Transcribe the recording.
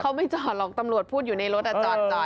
เขาไม่จอดรอกตำรวจพูดอยู่ในรถอ่ะ๑๙๖๗